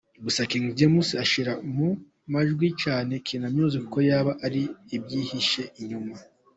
Gusa King James ashyira mu majwi cyane Kina Music ko yaba ariyo ibyihishe inyuma.